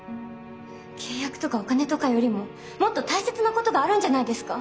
契約とかお金とかよりももっと大切なことがあるんじゃないですか？